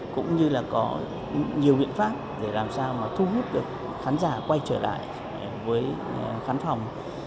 cũng như là có nhiều biện pháp để làm sao mà thu hút được khán giả quay trở lại với khán phòng